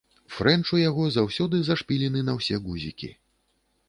Фрэнч у яго заўсёды зашпілены на ўсе гузікі.